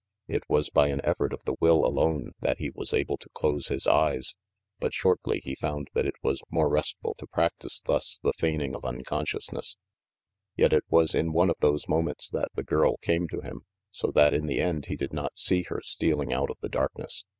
It was by an effort of the will alone that he was able to close his eyes; but shortly he found that it was more restful to practice thus the feigning of unconsciousness* Yet it was in one of those moments that the girl came to him, so that in the end he did not see her stealing out of the darkness.